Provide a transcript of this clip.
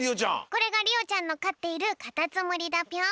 これがりおちゃんのかっているカタツムリだぴょん！